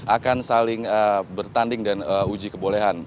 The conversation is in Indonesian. akan saling bertanding dan uji kebolehan